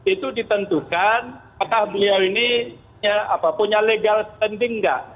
itu ditentukan apakah beliau ini punya legal standing nggak